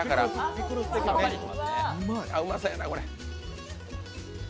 うまそうやな、これ。